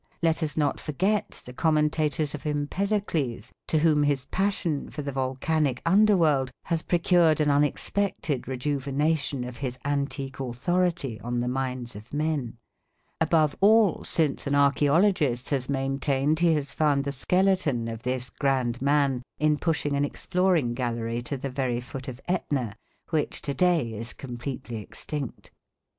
Let us not forget the commentators of Empedocles to whom his passion for the volcanic underworld has procured an unexpected rejuvenation of his antique authority on the minds of men, above all since an archæologist has maintained he has found the skeleton of this grand man in pushing an exploring gallery to the very foot of Ætna which to day is completely extinct.